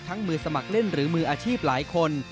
มือสมัครเล่นหรือมืออาชีพหลายคน